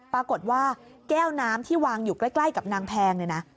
ปรากฏว่าแก้วน้ำที่วางอยู่ใกล้กับนางแพงเนี่ยนะ